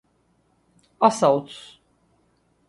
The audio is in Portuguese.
Assaltos